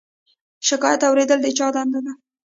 شکایت اوریدل د چا دنده ده؟